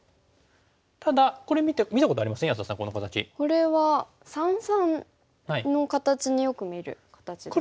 これは三々の形によく見る形ですか。